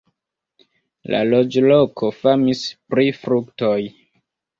La loĝloko famis pri fruktoj.